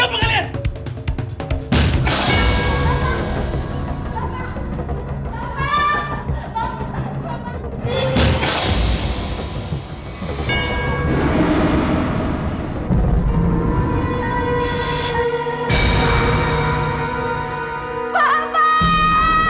mulai malam ini